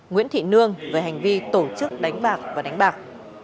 nguyễn thị nương về hành vi tổ chức đánh bạc và đánh bạc